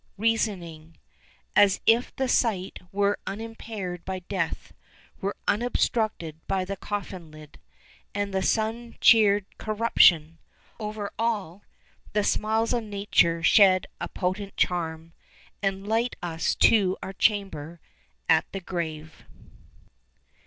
reasoning As if the sight were unimpaired by death, 20 Were unobstructed by the coffin lid, And the sun cheered corruption! Over all The smiles of Nature shed a potent charm, And light us to our chamber at the grave.